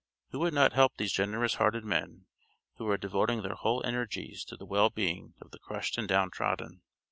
Who would not help these generous hearted men, who are devoting their whole energies to the well being of the crushed and downtrodden?